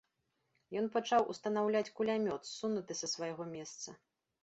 Ён пачаў устанаўляць кулямёт, ссунуты са свайго месца.